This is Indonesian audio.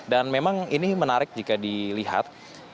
dan memang ini menarik jika dilihat